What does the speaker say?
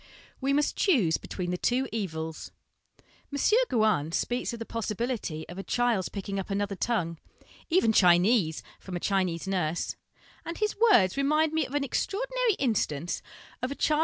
We must choose between the two evils." M. Gouin speaks of the possibility of a child's picking up another tongue even Chinese from a Chinese nurse ; and his words remind me of an extraordinary instance of a child's 1 See Appendix A.